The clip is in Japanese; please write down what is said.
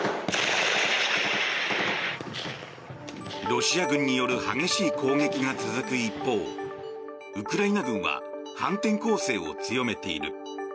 ロシア軍による激しい攻撃が続く一方ウクライナ軍は反転攻勢を強めている。